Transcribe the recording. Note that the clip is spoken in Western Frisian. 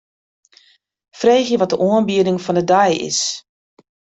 Freegje wat de oanbieding fan 'e dei is.